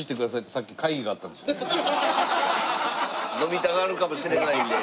「飲みたがるかもしれないんで」